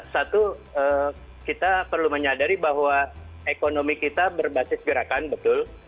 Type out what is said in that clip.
satu kita perlu menyadari bahwa ekonomi kita berbasis gerakan betul